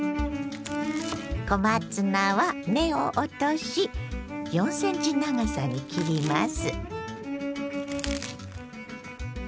小松菜は根を落とし４ｃｍ長さに切ります。